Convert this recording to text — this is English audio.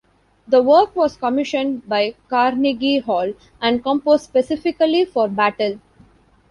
The work was commissioned by Carnegie Hall and composed specifically for Battle.